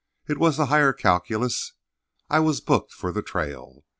It was the higher calculus. I was booked for the trail.